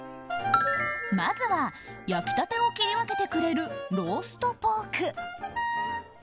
まずは焼きたてを切り分けてくれるローストポーク。